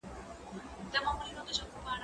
زه به سبا د تکړښت لپاره ولاړم!؟